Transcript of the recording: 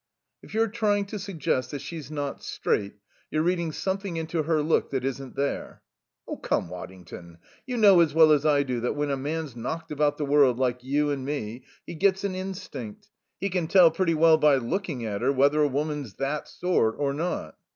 "If you're trying to suggest that she's not straight, you're reading something into her look that isn't there." "Come, Waddington, you know as well as I do that when a man's knocked about the world like you and me, he gets an instinct; he can tell pretty well by looking at her whether a woman's that sort or not."